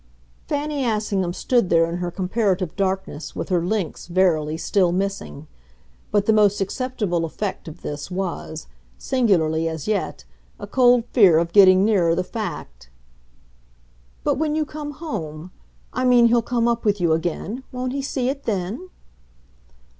Fanny Assingham stood there in her comparative darkness, with her links, verily, still missing; but the most acceptable effect of this was, singularly, as yet, a cold fear of getting nearer the fact. "But when you come home ? I mean he'll come up with you again. Won't he see it then?"